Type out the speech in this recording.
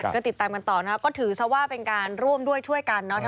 ก็ติดตามกันต่อนะครับก็ถือซะว่าเป็นการร่วมด้วยช่วยกันเนอะ